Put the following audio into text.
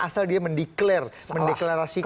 asal dia mendeklarasikan